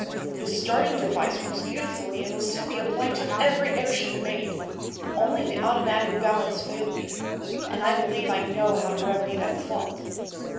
The starting device works beautifully and will soon be applied to every airship made. Only the automatic balance failed me, and I believe I know how to remedy that fault."